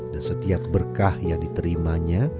dan setiap berkah yang diterimanya